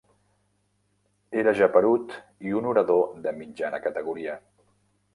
Era geperut i un orador de mitjana categoria.